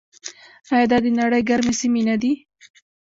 آیا دا د نړۍ ګرمې سیمې نه دي؟